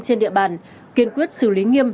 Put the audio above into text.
trên địa bàn kiên quyết xử lý nghiêm